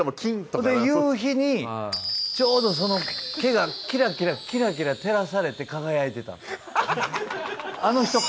それで夕日にちょうどその毛がキラキラキラキラ照らされて輝いてたの。